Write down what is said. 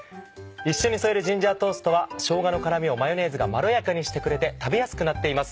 一緒に添える「ジンジャートースト」はしょうがの辛みをマヨネーズがまろやかにしてくれて食べやすくなっています